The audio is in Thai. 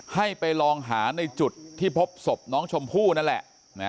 ให้ไปลองหาในจุดที่พบศพน้องชมพู่นั่นแหละ